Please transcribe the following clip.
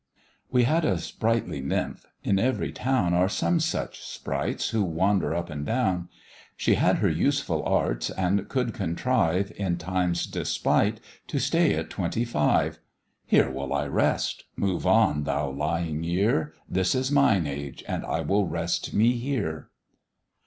WE had a sprightly nymph in every town Are some such sprights, who wander up and down; She had her useful arts, and could contrive, In Time's despite, to stay at twenty five; "Here will I rest; move on, thou lying year, This is mine age, and I will rest me here."